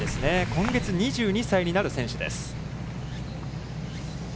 今月、２２歳になる選手です。